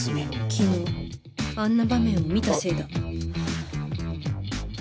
昨日あんな場面を見たせいだ